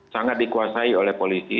sangat dikuasai oleh polisi